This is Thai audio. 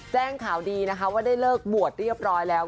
แจ้งข่าวดีนะคะว่าได้เลิกบวชเรียบร้อยแล้ว